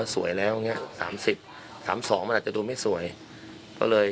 สวยแล้วเนี้ย๓สิบ๓สองมันอาจจะดูไม่สวย